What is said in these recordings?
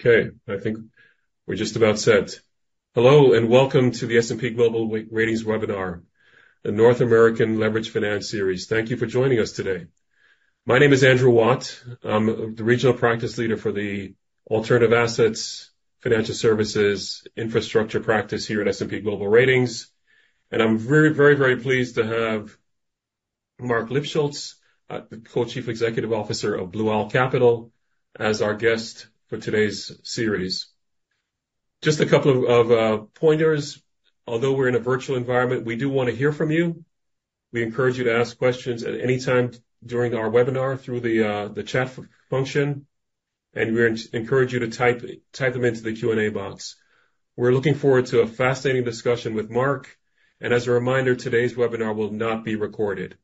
Okay, I think we're just about set. Hello and welcome to the S&P Global Ratings webinar, the North American Leveraged Finance series. Thank you for joining us today. My name is Andrew Watt. I'm the Regional Practice Leader for the Alternative Assets, Financial Services, Infrastructure Practice here at S&P Global Ratings. I'm very, very, very pleased to have Marc Lipschultz, the Co-Chief Executive Officer of Blue Owl Capital, as our guest for today's series. Just a couple of pointers. Although we're in a virtual environment, we do want to hear from you. We encourage you to ask questions at any time during our webinar through the chat function. We encourage you to type them into the Q&A box. We're looking forward to a fascinating discussion with Marc. As a reminder, today's webinar will not be recorded.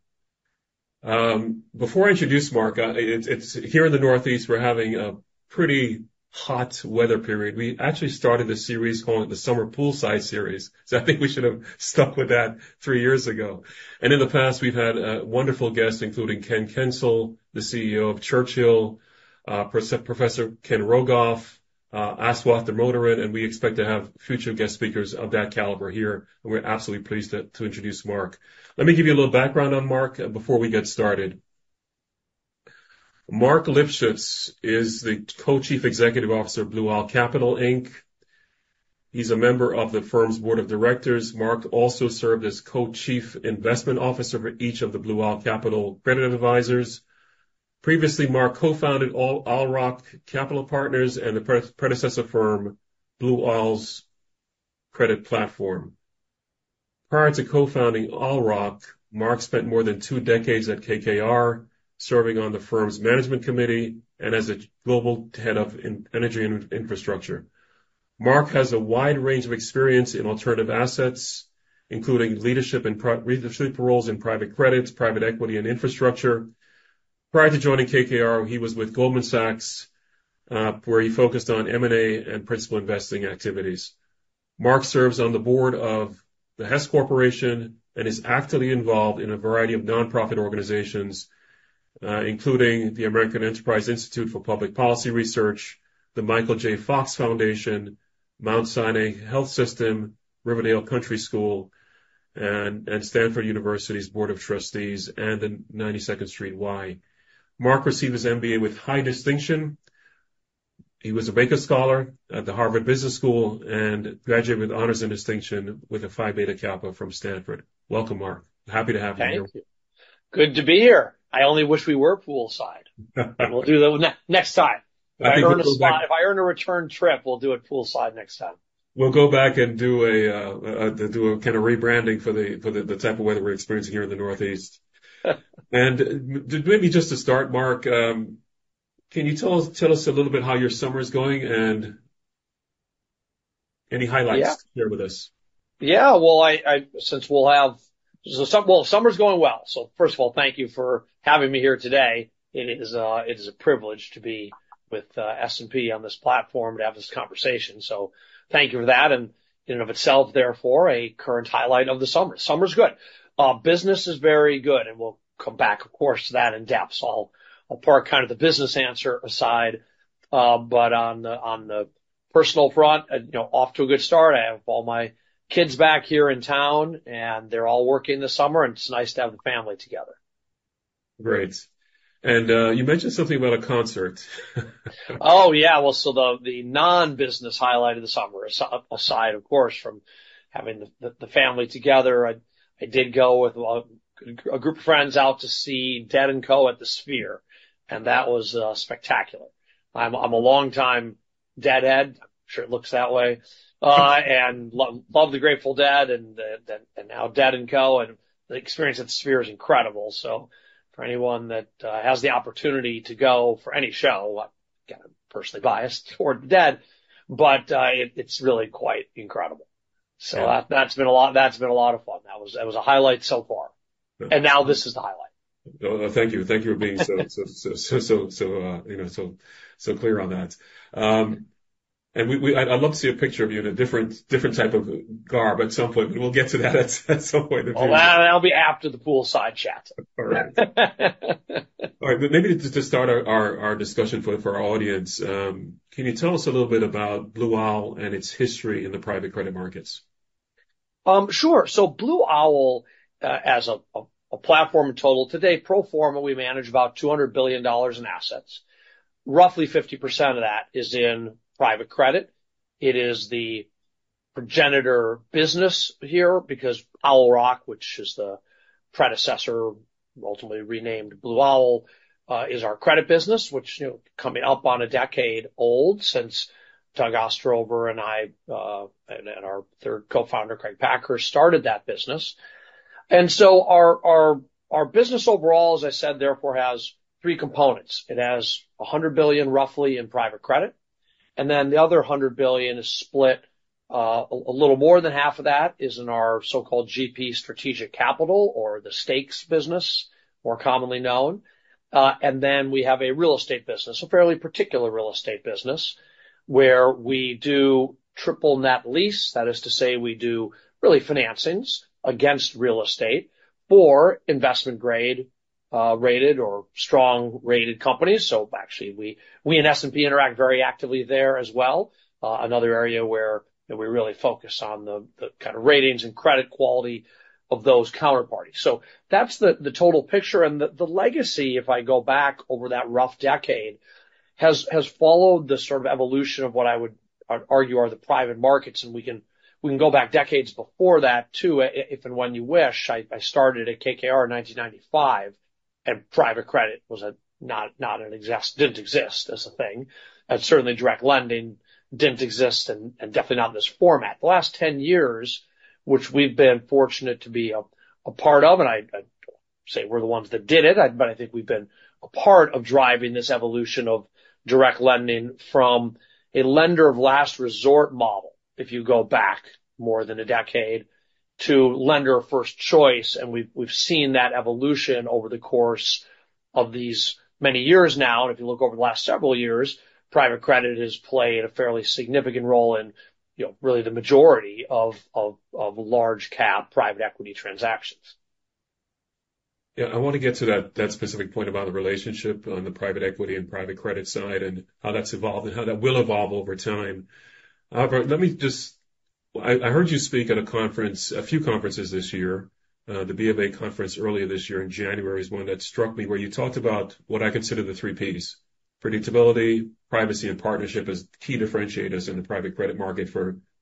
Before I introduce Marc, it's here in the Northeast, we're having a pretty hot weather period. We actually started the series calling it the Summer Poolside Series. I think we should have stuck with that three years ago. In the past, we've had wonderful guests, including Ken Kencel, the CEO of Churchill, Professor Ken Rogoff, Aswath Damodaran, and we expect to have future guest speakers of that caliber here. We're absolutely pleased to introduce Marc. Let me give you a little background on Marc before we get started. Marc Lipschultz is the Co-Chief Executive Officer of Blue Owl Capital. He's a member of the firm's board of directors. Marc also served as Co-Chief Investment Officer for each of the Blue Owl Capital Credit Advisors. Previously, Marc co-founded Owl Rock Capital Partners and the predecessor firm, Blue Owl's credit platform. Prior to co-founding Owl Rock, Marc spent more than two decades at KKR, serving on the firm's management committee and as a global head of energy and infrastructure. Marc has a wide range of experience in alternative assets, including leadership and leadership roles in private credit, private equity, and infrastructure. Prior to joining KKR, he was with Goldman Sachs, where he focused on M&A and principal investing activities. Marc serves on the board of the Hess Corporation and is actively involved in a variety of nonprofit organizations, including the American Enterprise Institute for Public Policy Research, the Michael J. Fox Foundation, Mount Sinai Health System, Riverdale Country School, and Stanford University's Board of Trustees and the 92nd Street Y. Marc received his MBA with high distinction. He was a Baker Scholar at the Harvard Business School and graduated with honors and distinction with a Phi Beta Kappa from Stanford. Welcome, Marc. Happy to have you. Thank you. Good to be here. I only wish we were poolside. We'll do that next time. If I earn a return trip, we'll do it poolside next time. We'll go back and do a kind of rebranding for the type of weather we're experiencing here in the Northeast. Maybe just to start, Marc, can you tell us a little bit how your summer is going and any highlights to share with us? Yeah. Since we will have—summer's going well. First of all, thank you for having me here today. It is a privilege to be with S&P on this platform to have this conversation. Thank you for that. In and of itself, therefore, a current highlight of the summer. Summer's good. Business is very good. We will come back, of course, to that in depth. I will park kind of the business answer aside. On the personal front, off to a good start. I have all my kids back here in town, and they are all working this summer, and it is nice to have the family together. Great. You mentioned something about a concert. Oh, yeah. The non-business highlight of the summer aside, of course, from having the family together, I did go with a group of friends out to see Dead & Co at the Sphere. That was spectacular. I'm a longtime Deadhead. I'm sure it looks that way. I love the Grateful Dead and now Dead & Co. The experience at the Sphere is incredible. For anyone that has the opportunity to go for any show, I'm kind of personally biased toward Dead, but it's really quite incredible. That has been a lot of fun. That was a highlight so far. Now this is the highlight. Thank you. Thank you for being so clear on that. I'd love to see a picture of you in a different type of garb at some point, but we'll get to that at some point. That'll be after the poolside chat. All right. All right. Maybe to start our discussion for our audience, can you tell us a little bit about Blue Owl and its history in the private credit markets? Sure. Blue Owl, as a platform in total today, pro forma, we manage about $200 billion in assets. Roughly 50% of that is in private credit. It is the progenitor business here because Owl Rock, which is the predecessor, ultimately renamed Blue Owl, is our credit business, which is coming up on a decade old since Doug Ostrover and I and our third co-founder, Craig Packer, started that business. Our business overall, as I said, therefore has three components. It has $100 billion roughly in private credit. The other $100 billion is split—a little more than half of that is in our so-called GP Strategic Capital or the Stakes business, more commonly known. We have a real estate business, a fairly particular real estate business, where we do triple net lease. That is to say we do really financings against real estate for investment-grade rated or strong-rated companies. Actually, we in S&P interact very actively there as well. Another area where we really focus on the kind of ratings and credit quality of those counterparties. That is the total picture. The legacy, if I go back over that rough decade, has followed the sort of evolution of what I would argue are the private markets. We can go back decades before that too, if and when you wish. I started at KKR in 1995, and private credit did not exist as a thing. Certainly, direct lending did not exist and definitely not in this format. The last 10 years, which we've been fortunate to be a part of, and I don't say we're the ones that did it, but I think we've been a part of driving this evolution of direct lending from a lender of last resort model, if you go back more than a decade, to lender of first choice. We've seen that evolution over the course of these many years now. If you look over the last several years, private credit has played a fairly significant role in really the majority of large-cap private equity transactions. Yeah. I want to get to that specific point about the relationship on the private equity and private credit side and how that's evolved and how that will evolve over time. However, let me just—I heard you speak at a conference, a few conferences this year. The BofA conference earlier this year in January is one that struck me where you talked about what I consider the three P's: predictability, privacy, and partnership as key differentiators in the private credit market,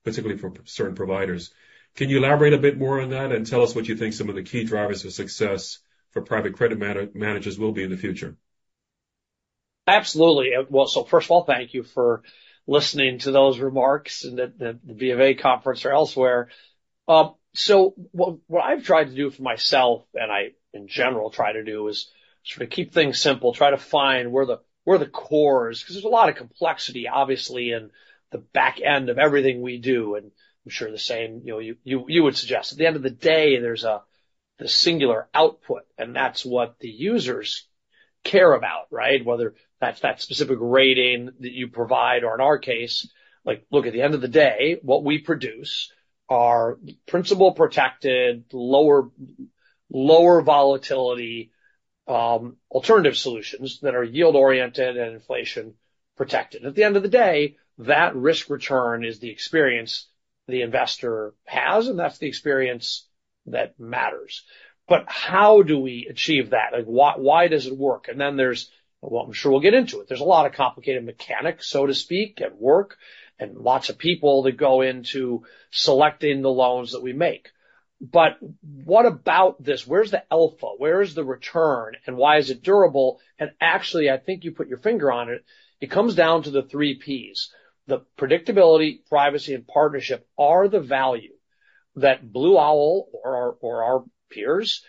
particularly for certain providers. Can you elaborate a bit more on that and tell us what you think some of the key drivers of success for private credit managers will be in the future? Absolutely. First of all, thank you for listening to those remarks and the BofA conference or elsewhere. What I've tried to do for myself, and I in general try to do, is sort of keep things simple, try to find where the core is, because there's a lot of complexity, obviously, in the back end of everything we do. I'm sure the same you would suggest. At the end of the day, there's the singular output, and that's what the users care about, right? Whether that's that specific rating that you provide or, in our case, look at the end of the day, what we produce are principal-protected, lower volatility alternative solutions that are yield-oriented and inflation-protected. At the end of the day, that risk return is the experience the investor has, and that's the experience that matters. How do we achieve that? Why does it work? And then there's—well, I'm sure we'll get into it. There are a lot of complicated mechanics, so to speak, at work and lots of people that go into selecting the loans that we make. But what about this? Where's the alpha? Where's the return? And why is it durable? Actually, I think you put your finger on it. It comes down to the three P's. The predictability, privacy, and partnership are the value that Blue Owl or our peers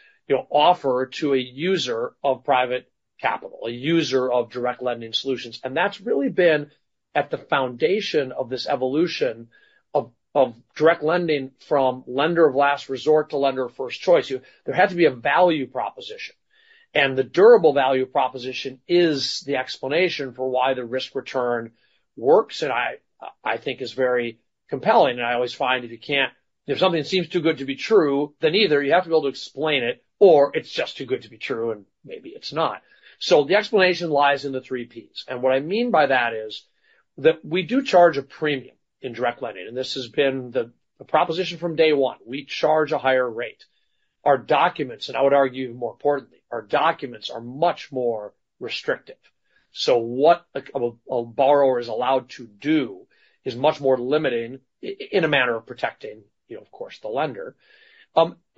offer to a user of private capital, a user of direct lending solutions. That has really been at the foundation of this evolution of direct lending from lender of last resort to lender of first choice. There had to be a value proposition. The durable value proposition is the explanation for why the risk return works, and I think is very compelling. I always find if you can't—if something seems too good to be true, then either you have to be able to explain it, or it's just too good to be true, and maybe it's not. The explanation lies in the three P's. What I mean by that is that we do charge a premium in direct lending. This has been the proposition from day one. We charge a higher rate. Our documents, and I would argue more importantly, our documents are much more restrictive. What a borrower is allowed to do is much more limiting in a manner of protecting, of course, the lender.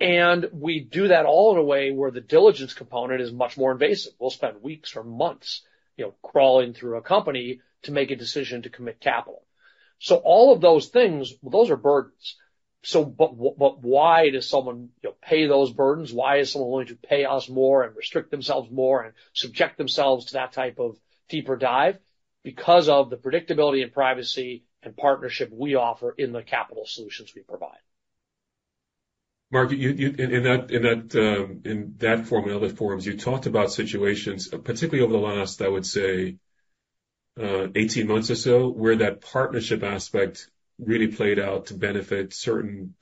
We do that all in a way where the diligence component is much more invasive. We'll spend weeks or months crawling through a company to make a decision to commit capital. All of those things, those are burdens. Why does someone pay those burdens? Why is someone willing to pay us more and restrict themselves more and subject themselves to that type of deeper dive? Because of the predictability and privacy and partnership we offer in the capital solutions we provide. Marc, in that form and other forums, you talked about situations, particularly over the last, I would say, 18 months or so, where that partnership aspect really played out to benefit certain,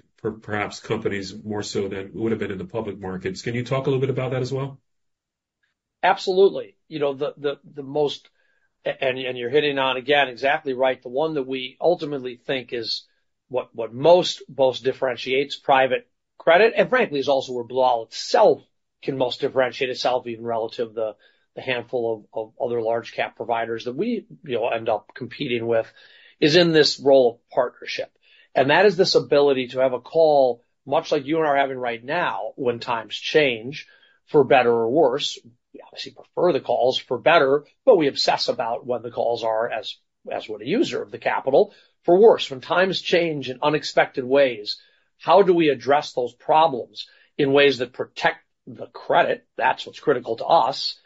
perhaps, companies more so than would have been in the public markets. Can you talk a little bit about that as well? Absolutely. You are hitting on, again, exactly right. The one that we ultimately think is what most differentiates private credit, and frankly, is also where Blue Owl itself can most differentiate itself even relative to the handful of other large-cap providers that we end up competing with, is in this role of partnership. That is this ability to have a call, much like you and I are having right now when times change, for better or worse. We obviously prefer the calls for better, but we obsess about what the calls are as a user of the capital. For worse, when times change in unexpected ways, how do we address those problems in ways that protect the credit? That is what is critical to us.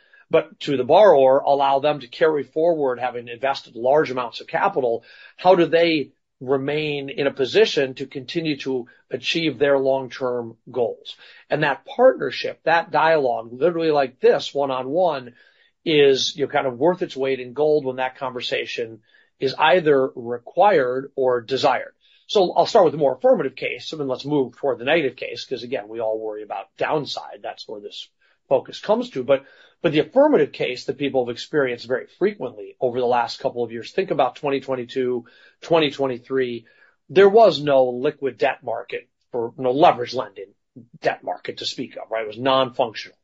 To the borrower, allow them to carry forward having invested large amounts of capital. How do they remain in a position to continue to achieve their long-term goals? That partnership, that dialogue, literally like this, one-on-one, is kind of worth its weight in gold when that conversation is either required or desired. I'll start with the more affirmative case, and then let's move toward the negative case, because, again, we all worry about downside. That's where this focus comes to. The affirmative case that people have experienced very frequently over the last couple of years, think about 2022, 2023, there was no liquid debt market, no leverage lending debt market to speak of, right? It was non-functional.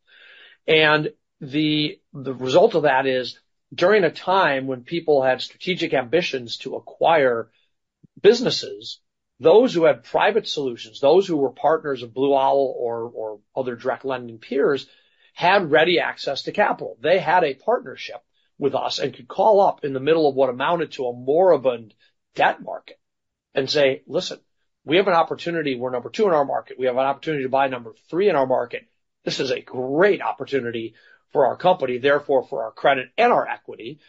The result of that is, during a time when people had strategic ambitions to acquire businesses, those who had private solutions, those who were partners of Blue Owl or other direct lending peers, had ready access to capital. They had a partnership with us and could call up in the middle of what amounted to a moribund debt market and say, "Listen, we have an opportunity. We're number two in our market. We have an opportunity to buy number three in our market. This is a great opportunity for our company, therefore for our credit and our equity.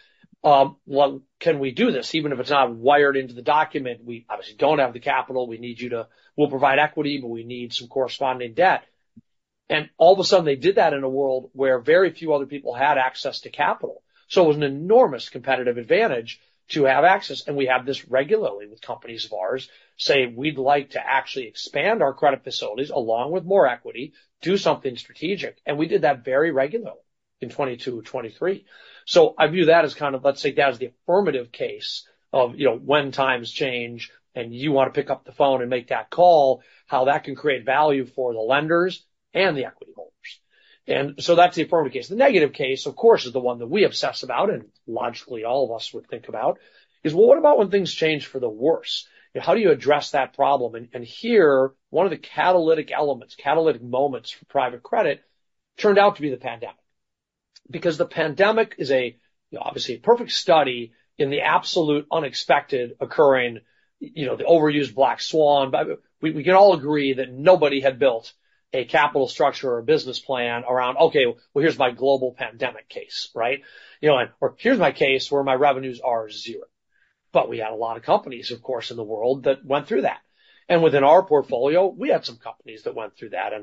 Can we do this? Even if it's not wired into the document, we obviously don't have the capital. We need you to—we'll provide equity, but we need some corresponding debt." All of a sudden, they did that in a world where very few other people had access to capital. It was an enormous competitive advantage to have access. We have this regularly with companies of ours say, "We'd like to actually expand our credit facilities along with more equity, do something strategic." We did that very regularly in 2022, 2023. I view that as kind of, let's say, that is the affirmative case of when times change and you want to pick up the phone and make that call, how that can create value for the lenders and the equity holders. That is the affirmative case. The negative case, of course, is the one that we obsess about, and logically, all of us would think about is, "Well, what about when things change for the worse? How do you address that problem?" Here, one of the catalytic elements, catalytic moments for private credit turned out to be the pandemic. Because the pandemic is obviously a perfect study in the absolute unexpected occurring, the overused black swan. We can all agree that nobody had built a capital structure or a business plan around, "Okay, here's my global pandemic case," right? Or, "Here's my case where my revenues are zero." We had a lot of companies, of course, in the world that went through that. Within our portfolio, we had some companies that went through that.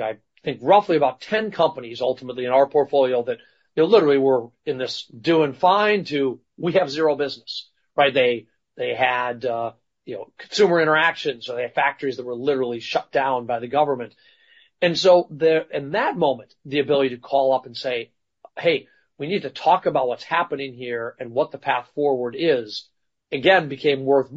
I think roughly about 10 companies ultimately in our portfolio that literally were in this doing fine to we have zero business, right? They had consumer interactions, or they had factories that were literally shut down by the government. In that moment, the ability to call up and say, "Hey, we need to talk about what's happening here and what the path forward is," again, became worth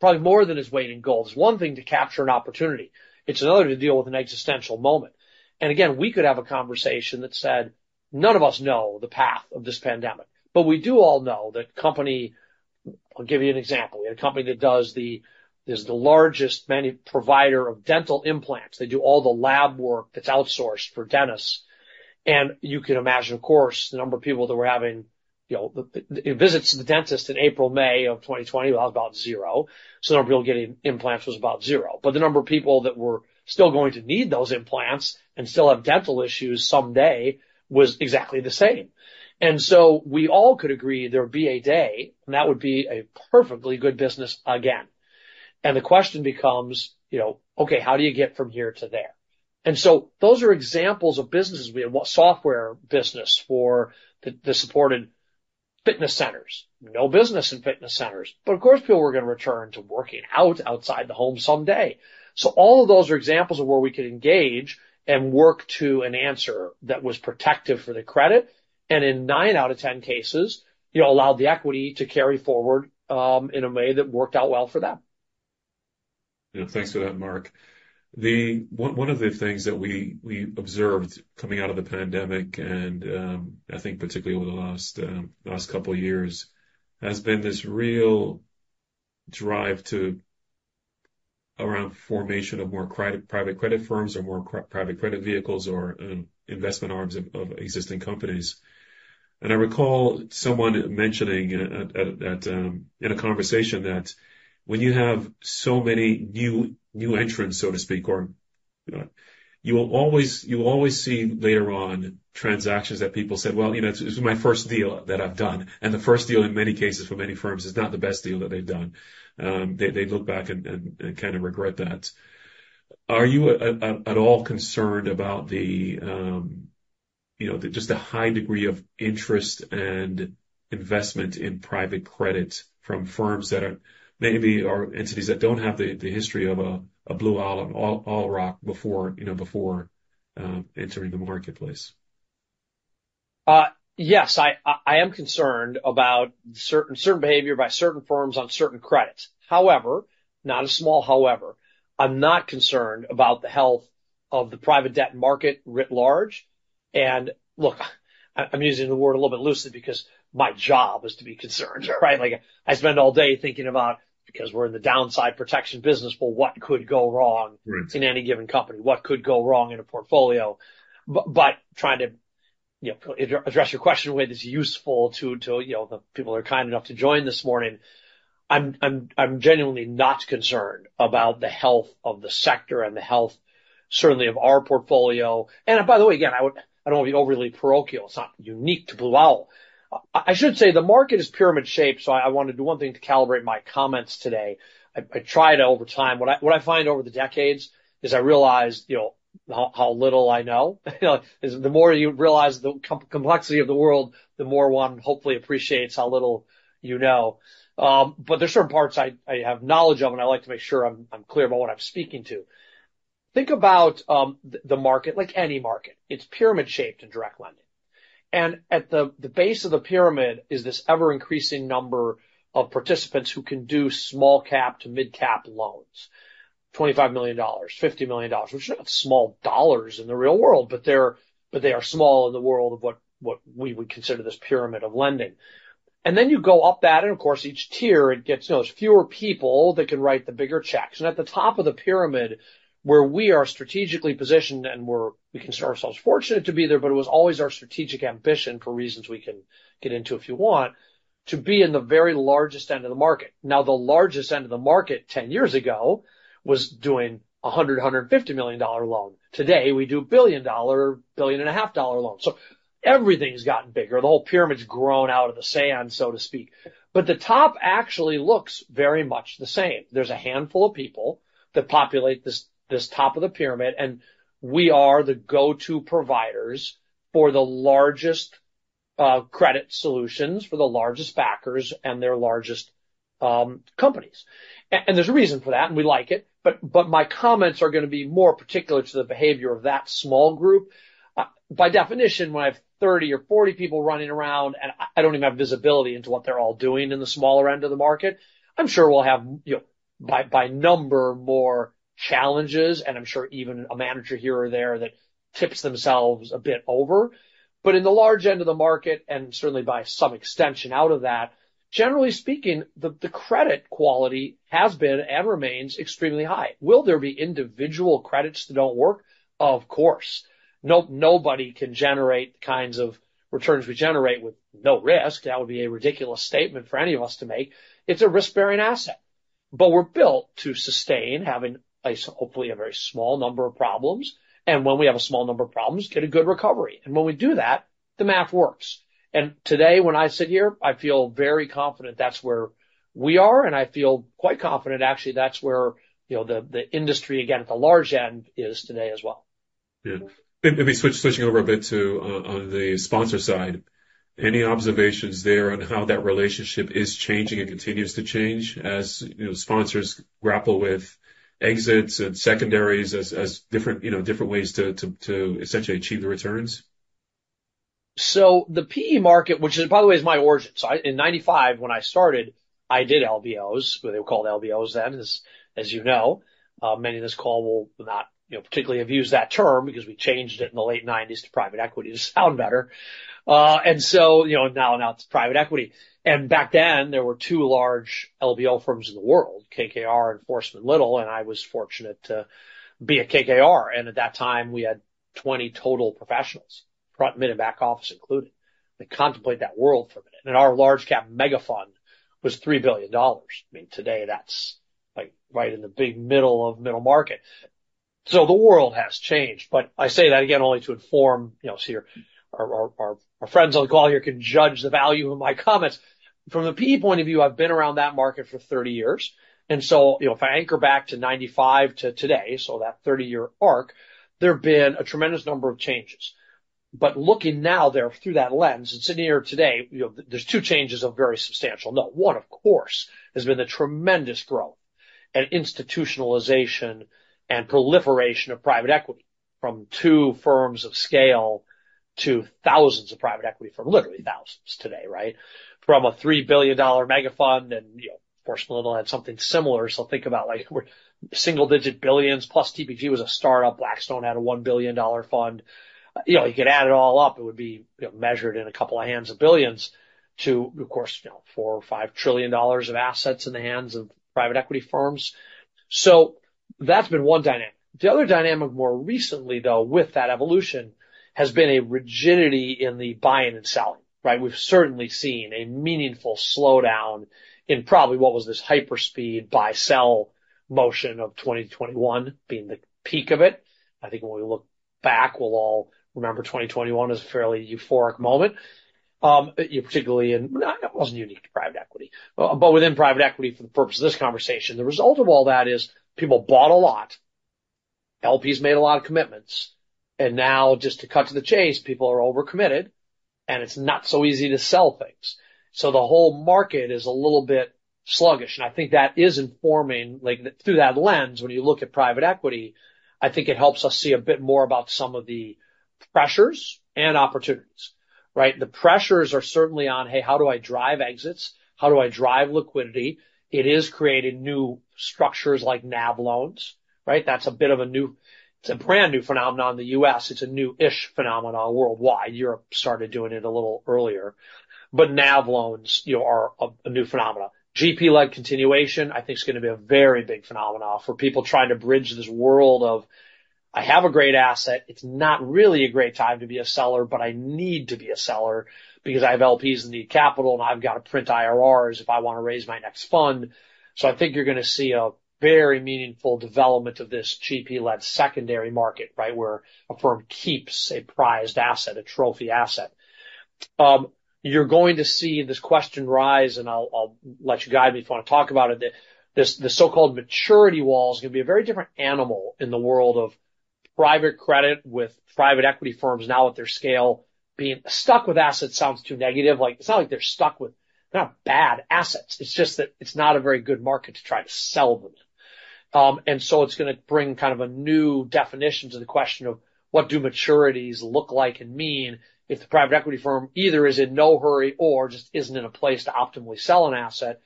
probably more than its weight in gold. It's one thing to capture an opportunity. It's another to deal with an existential moment. Again, we could have a conversation that said, "None of us know the path of this pandemic, but we do all know that company—" I'll give you an example. We had a company that is the largest provider of dental implants. They do all the lab work that's outsourced for dentists. You can imagine, of course, the number of people that were having visits to the dentist in April, May of 2020 was about zero. The number of people getting implants was about zero. The number of people that were still going to need those implants and still have dental issues someday was exactly the same. We all could agree there would be a day, and that would be a perfectly good business again. The question becomes, "Okay, how do you get from here to there?" Those are examples of businesses. We had a software business for the supported fitness centers. No business in fitness centers. Of course, people were going to return to working out outside the home someday. All of those are examples of where we could engage and work to an answer that was protective for the credit. In 9 out of 10 cases, it allowed the equity to carry forward in a way that worked out well for them. Yeah. Thanks for that, Marc. One of the things that we observed coming out of the pandemic, and I think particularly over the last couple of years, has been this real drive to around formation of more private credit firms or more private credit vehicles or investment arms of existing companies. I recall someone mentioning in a conversation that when you have so many new entrants, so to speak, you will always see later on transactions that people said, "Well, this is my first deal that I've done." The first deal in many cases for many firms is not the best deal that they've done. They look back and kind of regret that. Are you at all concerned about just the high degree of interest and investment in private credit from firms that maybe are entities that do not have the history of a Blue Owl or Owl Rock before entering the marketplace? Yes. I am concerned about certain behavior by certain firms on certain credits. However, not a small however. I'm not concerned about the health of the private debt market writ large. Look, I'm using the word a little bit loosely because my job is to be concerned, right? I spend all day thinking about, because we're in the downside protection business, what could go wrong in any given company? What could go wrong in a portfolio? Trying to address your question in a way that's useful to the people that are kind enough to join this morning, I'm genuinely not concerned about the health of the sector and the health, certainly, of our portfolio. By the way, again, I don't want to be overly parochial. It's not unique to Blue Owl. I should say the market is pyramid-shaped, so I want to do one thing to calibrate my comments today. I try to, over time, what I find over the decades is I realize how little I know. The more you realize the complexity of the world, the more one, hopefully, appreciates how little you know. There are certain parts I have knowledge of, and I like to make sure I'm clear about what I'm speaking to. Think about the market like any market. It's pyramid-shaped in direct lending. At the base of the pyramid is this ever-increasing number of participants who can do small-cap to mid-cap loans: $25 million, $50 million, which are not small dollars in the real world, but they are small in the world of what we would consider this pyramid of lending. You go up that, and of course, each tier, it gets fewer people that can write the bigger checks. At the top of the pyramid, where we are strategically positioned and where we consider ourselves fortunate to be there, but it was always our strategic ambition for reasons we can get into if you want, to be in the very largest end of the market. Now, the largest end of the market 10 years ago was doing a $100 million-$150 million loan. Today, we do a $1 billion-$1.5 billion loan. Everything's gotten bigger. The whole pyramid's grown out of the sand, so to speak. The top actually looks very much the same. There's a handful of people that populate this top of the pyramid, and we are the go-to providers for the largest credit solutions for the largest backers and their largest companies. There is a reason for that, and we like it. My comments are going to be more particular to the behavior of that small group. By definition, when I have 30 or 40 people running around and I do not even have visibility into what they are all doing in the smaller end of the market, I am sure we will have by number more challenges, and I am sure even a manager here or there that tips themselves a bit over. In the large end of the market, and certainly by some extension out of that, generally speaking, the credit quality has been and remains extremely high. Will there be individual credits that do not work? Of course. Nobody can generate the kinds of returns we generate with no risk. That would be a ridiculous statement for any of us to make. It is a risk-bearing asset. We're built to sustain, having hopefully a very small number of problems. When we have a small number of problems, get a good recovery. When we do that, the math works. Today, when I sit here, I feel very confident that's where we are. I feel quite confident, actually, that's where the industry, again, at the large end is today as well. Yeah. Maybe switching over a bit to the sponsor side, any observations there on how that relationship is changing and continues to change as sponsors grapple with exits and secondaries as different ways to essentially achieve the returns? The PE market, which by the way is my origin. In 1995, when I started, I did LBOs, what they were called LBOs then, as you know. Many of this call will not particularly have used that term because we changed it in the late 1990s to private equity to sound better. Now it's private equity. Back then, there were two large LBO firms in the world, KKR and Forstmann Little, and I was fortunate to be at KKR. At that time, we had 20 total professionals, front, mid, and back office included. Contemplate that world for a minute. Our large-cap megafund was $3 billion. I mean, today, that's right in the big middle of middle market. The world has changed. I say that again only to inform our friends on the call here can judge the value of my comments. From the PE point of view, I've been around that market for 30 years. If I anchor back to 1995 to today, so that 30-year arc, there have been a tremendous number of changes. Looking now there through that lens and sitting here today, there's two changes of very substantial note. One, of course, has been the tremendous growth and institutionalization and proliferation of private equity from two firms of scale to thousands of private equity firms, literally thousands today, right? From a $3 billion megafund, and Forstmann Little had something similar. Think about single-digit billions plus TPG was a startup. Blackstone had a $1 billion fund. You could add it all up. It would be measured in a couple of hands of billions to, of course, $4 or $5 trillion of assets in the hands of private equity firms. That has been one dynamic. The other dynamic more recently, though, with that evolution has been a rigidity in the buying and selling, right? We have certainly seen a meaningful slowdown in probably what was this hyperspeed buy-sell motion of 2021 being the peak of it. I think when we look back, we will all remember 2021 as a fairly euphoric moment, particularly in—it was not unique to private equity. Within private equity, for the purpose of this conversation, the result of all that is people bought a lot. LPs made a lot of commitments. Now, just to cut to the chase, people are overcommitted, and it is not so easy to sell things. The whole market is a little bit sluggish. I think that is informing through that lens when you look at private equity. I think it helps us see a bit more about some of the pressures and opportunities, right? The pressures are certainly on, "Hey, how do I drive exits? How do I drive liquidity?" It is creating new structures like NAV loans, right? That is a bit of a new, it is a brand new phenomenon in the U.S. It is a new-ish phenomenon worldwide. Europe started doing it a little earlier. NAV loans are a new phenomenon. GP-led continuation, I think, is going to be a very big phenomenon for people trying to bridge this world of, "I have a great asset. It's not really a great time to be a seller, but I need to be a seller because I have LPs that need capital, and I've got to print IRRs if I want to raise my next fund. I think you're going to see a very meaningful development of this GP-led secondary market, right, where a firm keeps a prized asset, a trophy asset. You're going to see this question rise, and I'll let you guide me if you want to talk about it. The so-called maturity wall is going to be a very different animal in the world of private credit with private equity firms now at their scale being stuck with assets sounds too negative. It's not like they're stuck with—they're not bad assets. It's just that it's not a very good market to try to sell them. It is going to bring kind of a new definition to the question of what do maturities look like and mean if the private equity firm either is in no hurry or just is not in a place to optimally sell an asset,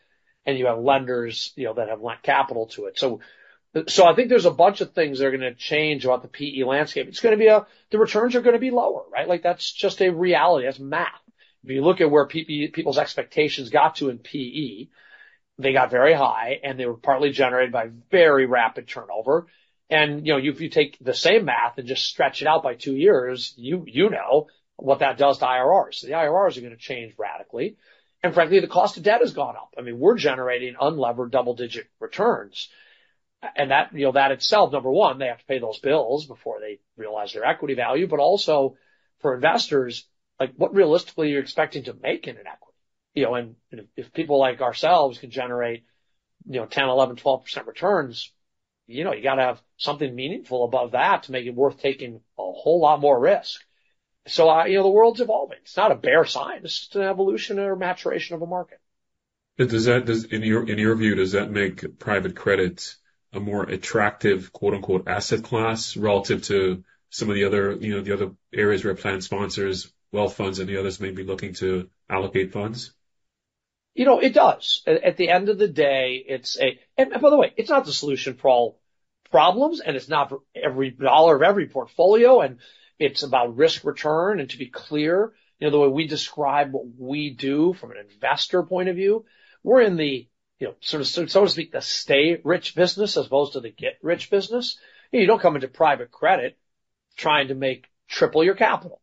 and you have lenders that have lent capital to it. I think there are a bunch of things that are going to change about the PE landscape. It is going to be a—the returns are going to be lower, right? That is just a reality. That is math. If you look at where people's expectations got to in PE, they got very high, and they were partly generated by very rapid turnover. If you take the same math and just stretch it out by two years, you know what that does to IRRs. The IRRs are going to change radically. Frankly, the cost of debt has gone up. I mean, we're generating unlevered double-digit returns. That itself, number one, they have to pay those bills before they realize their equity value. Also, for investors, what realistically are you expecting to make in an equity? If people like ourselves can generate 10%, 11%, 12% returns, you got to have something meaningful above that to make it worth taking a whole lot more risk. The world's evolving. It's not a bare sign. It's just an evolution or maturation of a market. In your view, does that make private credit a more attractive "asset class" relative to some of the other areas where plan sponsors, wealth funds, and the others may be looking to allocate funds? It does. At the end of the day, and by the way, it's not the solution for all problems, and it's not for every dollar of every portfolio. It's about risk return. To be clear, the way we describe what we do from an investor point of view, we're in the, so to speak, the stay-rich business as opposed to the get-rich business. You don't come into private credit trying to make triple your capital.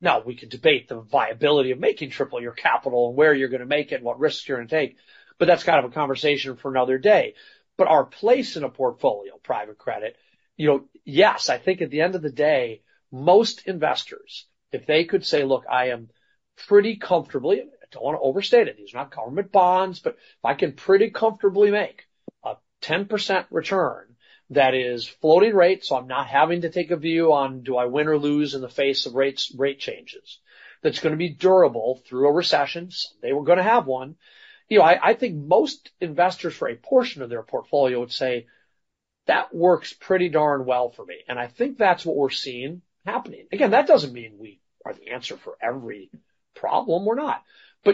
Now, we can debate the viability of making triple your capital and where you're going to make it and what risks you're going to take. That is kind of a conversation for another day. Our place in a portfolio, private credit, yes, I think at the end of the day, most investors, if they could say, "Look, I am pretty comfortably—" I don't want to overstate it. These are not government bonds, but if I can pretty comfortably make a 10% return that is floating rate, so I'm not having to take a view on do I win or lose in the face of rate changes, that's going to be durable through a recession, someday we're going to have one, I think most investors for a portion of their portfolio would say, "That works pretty darn well for me." I think that's what we're seeing happening. That doesn't mean we are the answer for every problem. We're not.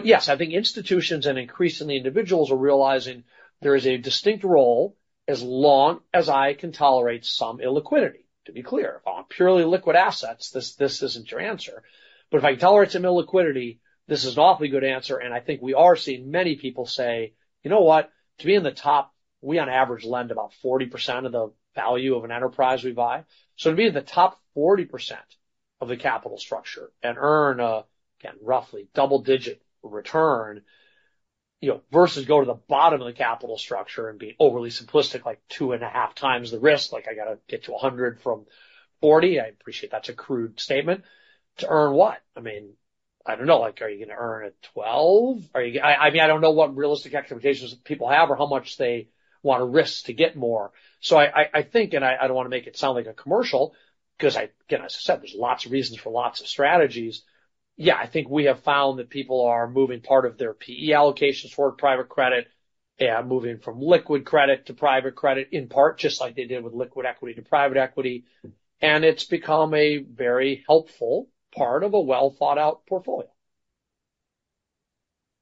Yes, I think institutions and increasingly individuals are realizing there is a distinct role as long as I can tolerate some illiquidity, to be clear. If I want purely liquid assets, this isn't your answer. If I can tolerate some illiquidity, this is an awfully good answer. I think we are seeing many people say, "You know what? To be in the top, we on average lend about 40% of the value of an enterprise we buy." To be in the top 40% of the capital structure and earn a, again, roughly double-digit return versus go to the bottom of the capital structure and be overly simplistic, like two and a half times the risk, like I got to get to 100 from 40, I appreciate that's a crude statement, to earn what? I mean, I don't know. Are you going to earn a 12? I mean, I don't know what realistic expectations people have or how much they want to risk to get more. I think, and I don't want to make it sound like a commercial because, again, as I said, there's lots of reasons for lots of strategies. Yeah, I think we have found that people are moving part of their PE allocations toward private credit and moving from liquid credit to private credit in part, just like they did with liquid equity to private equity. It has become a very helpful part of a well-thought-out portfolio.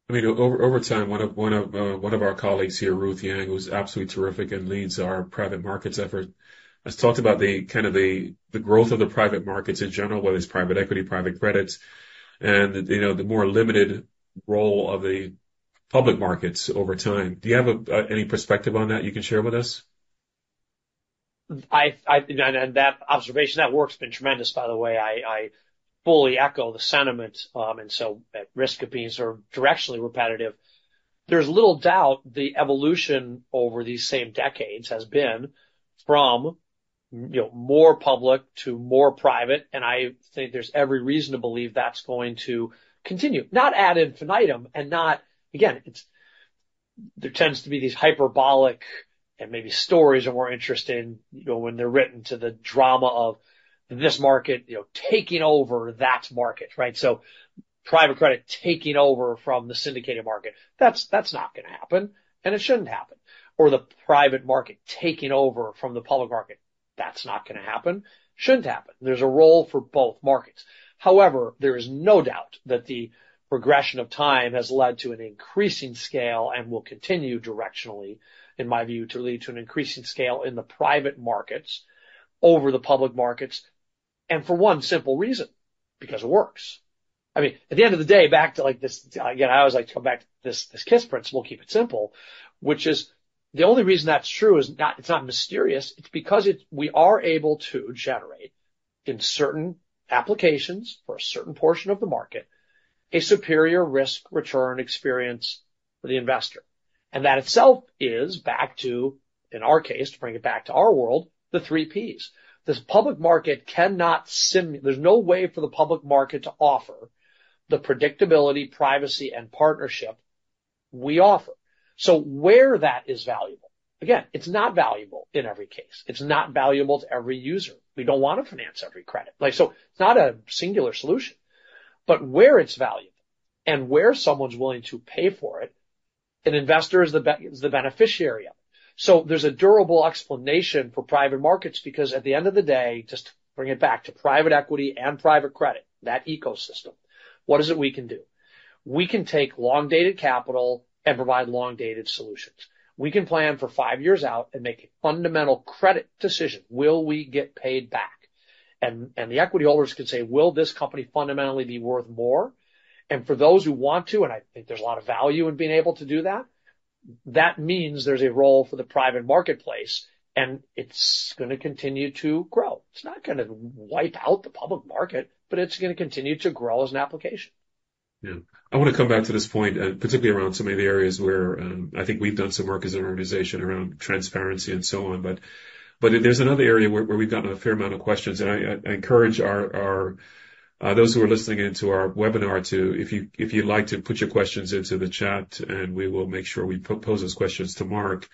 I mean, over time, one of our colleagues here, Ruth Yang, who's absolutely terrific and leads our private markets effort, has talked about kind of the growth of the private markets in general, whether it's private equity, private credit, and the more limited role of the public markets over time. Do you have any perspective on that you can share with us? That observation, that work's been tremendous, by the way. I fully echo the sentiment. At risk of being sort of directionally repetitive, there's little doubt the evolution over these same decades has been from more public to more private. I think there's every reason to believe that's going to continue. Not ad infinitum and not, again, there tends to be these hyperbolic and maybe stories that we're interested in when they're written to the drama of this market taking over that market, right? Private credit taking over from the syndicated market, that's not going to happen. It shouldn't happen. The private market taking over from the public market, that's not going to happen. Shouldn't happen. There's a role for both markets. However, there is no doubt that the progression of time has led to an increasing scale and will continue directionally, in my view, to lead to an increasing scale in the private markets over the public markets. For one simple reason: because it works. I mean, at the end of the day, back to this, again, I always like to come back to this KISS principle, keep it simple, which is the only reason that's true is it's not mysterious. It's because we are able to generate in certain applications for a certain portion of the market a superior risk-return experience for the investor. That itself is back to, in our case, to bring it back to our world, the three Ps. This public market cannot—there's no way for the public market to offer the predictability, privacy, and partnership we offer. Where that is valuable, again, it's not valuable in every case. It's not valuable to every user. We don't want to finance every credit. It's not a singular solution. Where it's valuable and where someone's willing to pay for it, an investor is the beneficiary of it. There's a durable explanation for private markets because at the end of the day, just to bring it back to private equity and private credit, that ecosystem, what is it we can do? We can take long-dated capital and provide long-dated solutions. We can plan for five years out and make a fundamental credit decision. Will we get paid back? The equity holders can say, "Will this company fundamentally be worth more?" For those who want to, and I think there is a lot of value in being able to do that, that means there is a role for the private marketplace, and it is going to continue to grow. It is not going to wipe out the public market, but it is going to continue to grow as an application. Yeah. I want to come back to this point, particularly around some of the areas where I think we've done some work as an organization around transparency and so on. There's another area where we've gotten a fair amount of questions. I encourage those who are listening into our webinar to, if you'd like, put your questions into the chat, and we will make sure we propose those questions to Marc.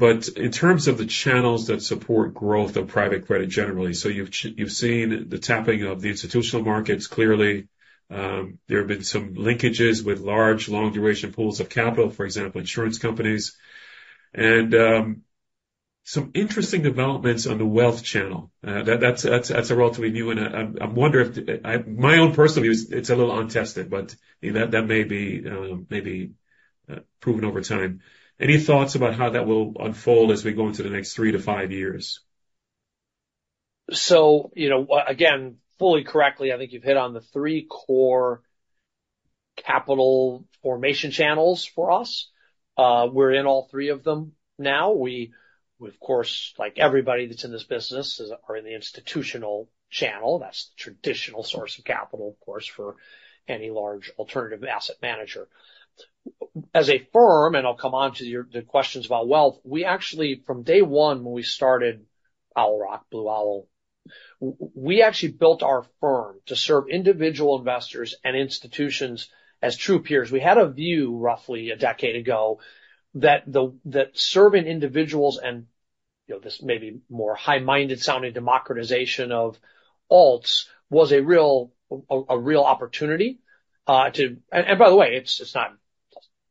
In terms of the channels that support growth of private credit generally, you've seen the tapping of the institutional markets clearly. There have been some linkages with large, long-duration pools of capital, for example, insurance companies. There are some interesting developments on the wealth channel. That's relatively new. I wonder if my own personal view, it's a little untested, but that may be proven over time. Any thoughts about how that will unfold as we go into the next three to five years? Again, fully correctly, I think you've hit on the three core capital formation channels for us. We're in all three of them now. We, of course, like everybody that's in this business, are in the institutional channel. That's the traditional source of capital, of course, for any large alternative asset manager. As a firm, and I'll come on to the questions about wealth, we actually, from day one when we started Owl Rock, Blue Owl, we actually built our firm to serve individual investors and institutions as true peers. We had a view roughly a decade ago that serving individuals and this maybe more high-minded sounding democratization of alts was a real opportunity. By the way,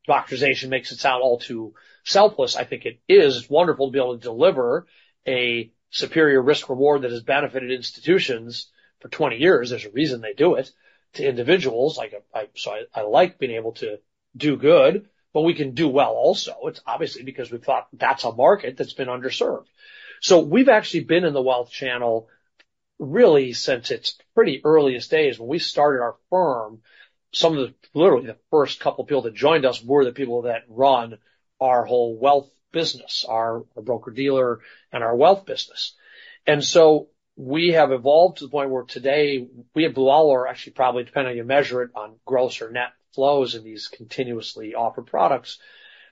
democratization makes it sound all too selfless. I think it is wonderful to be able to deliver a superior risk-reward that has benefited institutions for 20 years. There's a reason they do it to individuals. I like being able to do good, but we can do well also. It's obviously because we thought that's a market that's been underserved. We've actually been in the wealth channel really since its pretty earliest days. When we started our firm, some of the literally the first couple of people that joined us were the people that run our whole wealth business, our broker-dealer and our wealth business. We have evolved to the point where today we at Blue Owl are actually probably, depending on how you measure it, on gross or net flows in these continuously offered products,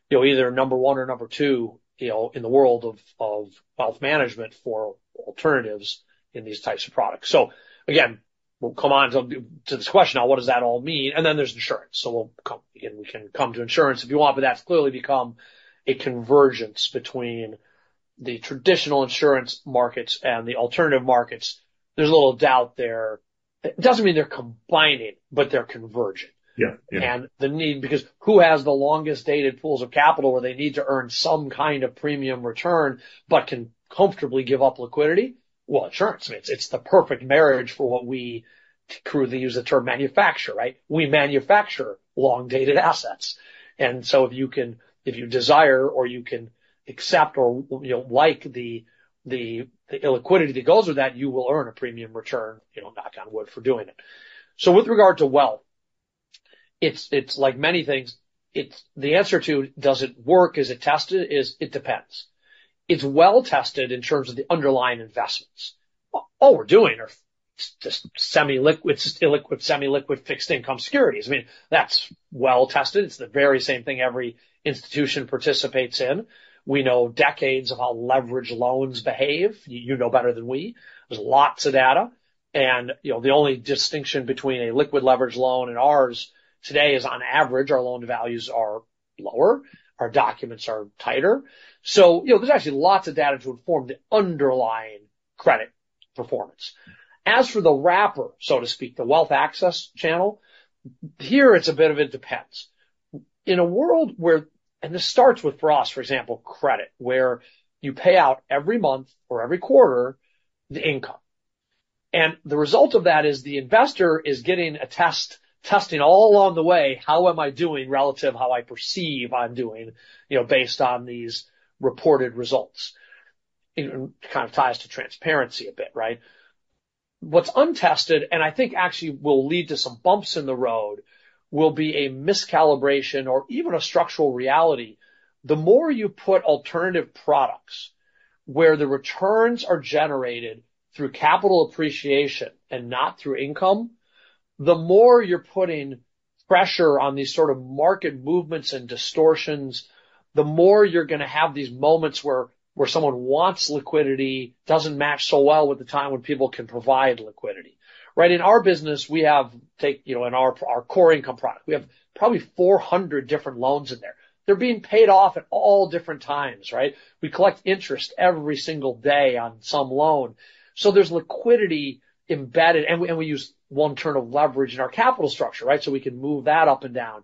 either number one or number two in the world of wealth management for alternatives in these types of products. We'll come on to this question of what does that all mean? Then there's insurance. We can come to insurance if you want, but that's clearly become a convergence between the traditional insurance markets and the alternative markets. There's a little doubt there. It doesn't mean they're combining, but they're converging. The need because who has the longest-dated pools of capital where they need to earn some kind of premium return but can comfortably give up liquidity? Insurance. It's the perfect marriage for what we crudely use the term manufacture, right? We manufacture long-dated assets. If you can desire or you can accept or like the illiquidity that goes with that, you will earn a premium return, knock on wood, for doing it. With regard to wealth, it's like many things, the answer to does it work? Is it tested? It depends. It's well tested in terms of the underlying investments. All we're doing are just illiquid, semi-liquid, fixed income securities. I mean, that's well tested. It's the very same thing every institution participates in. We know decades of how leverage loans behave. You know better than we. There's lots of data. The only distinction between a liquid leverage loan and ours today is on average, our loan values are lower. Our documents are tighter. There's actually lots of data to inform the underlying credit performance. As for the wrapper, so to speak, the wealth access channel, here it's a bit of a depends. In a world where, and this starts with for us, for example, credit, where you pay out every month or every quarter the income. The result of that is the investor is getting a test testing all along the way, how am I doing relative to how I perceive I'm doing based on these reported results. It kind of ties to transparency a bit, right? What's untested, and I think actually will lead to some bumps in the road, will be a miscalibration or even a structural reality. The more you put alternative products where the returns are generated through capital appreciation and not through income, the more you're putting pressure on these sort of market movements and distortions, the more you're going to have these moments where someone wants liquidity, doesn't match so well with the time when people can provide liquidity. Right? In our business, we have, take our core income product, we have probably 400 different loans in there. They're being paid off at all different times, right? We collect interest every single day on some loan. There is liquidity embedded, and we use long-term leverage in our capital structure, right? We can move that up and down.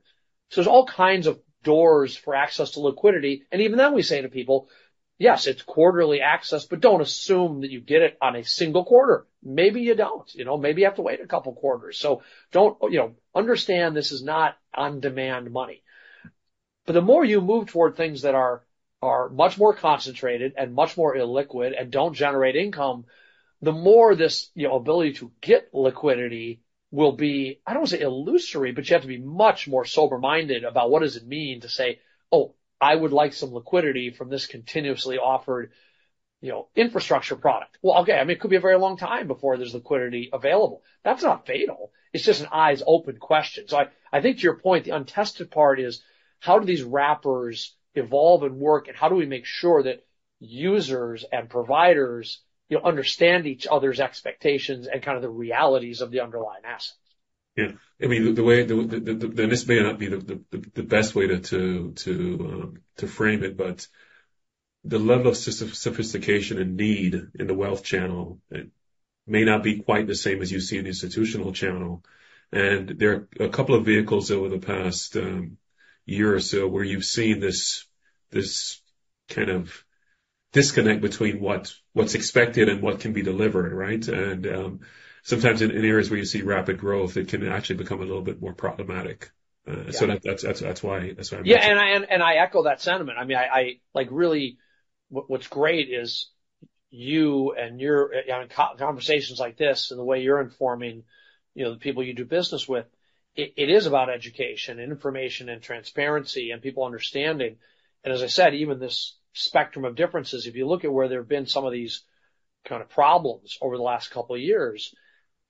There are all kinds of doors for access to liquidity. Even then we say to people, "Yes, it is quarterly access, but do not assume that you get it on a single quarter. Maybe you do not. Maybe you have to wait a couple of quarters." Understand this is not on-demand money. The more you move toward things that are much more concentrated and much more illiquid and do not generate income, the more this ability to get liquidity will be, I do not want to say illusory, but you have to be much more sober-minded about what does it mean to say, "Oh, I would like some liquidity from this continuously offered infrastructure product." Okay. I mean, it could be a very long time before there's liquidity available. That's not fatal. It's just an eyes-open question. I think to your point, the untested part is how do these wrappers evolve and work, and how do we make sure that users and providers understand each other's expectations and kind of the realities of the underlying assets? Yeah. I mean, the way this may not be the best way to frame it, but the level of sophistication and need in the wealth channel may not be quite the same as you see in the institutional channel. There are a couple of vehicles over the past year or so where you've seen this kind of disconnect between what's expected and what can be delivered, right? Sometimes in areas where you see rapid growth, it can actually become a little bit more problematic. That is why I'm asking. Yeah. I echo that sentiment. I mean, really, what's great is you and your conversations like this and the way you're informing the people you do business with, it is about education and information and transparency and people understanding. As I said, even this spectrum of differences, if you look at where there have been some of these kind of problems over the last couple of years,